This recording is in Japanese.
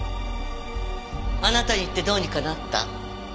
あなたに言ってどうにかなった？